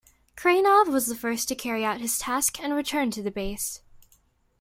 Krainov was the first to carry out his task and returned to the base.